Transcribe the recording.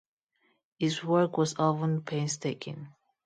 His work was often painstaking.